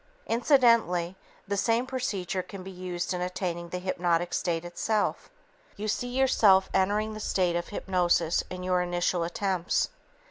Incidentally, the same procedure can be used in attaining the hypnotic state itself. You see yourself entering the state of hypnosis in your initial attempts.